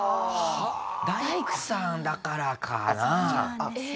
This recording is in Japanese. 大工さんだからかな？